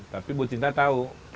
tapi bu cinta tau